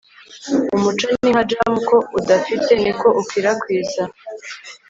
umuco ni nka jam, uko udafite, niko ukwirakwiza